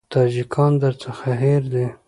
تاجکان درڅخه هېر دي.